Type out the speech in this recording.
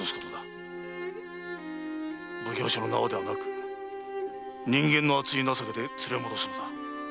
奉行所の縄ではなく人間の篤い情けで連れ戻すのだ。